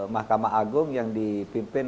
mahkamah agung yang dipimpin